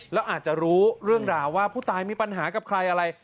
แล้วอาจจะรู้เรื่องราวว่าผู้ตายมีปัญหากับใครอะไร